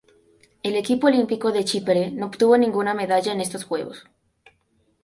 El equipo olímpico de Chipre no obtuvo ninguna medalla en estos Juegos.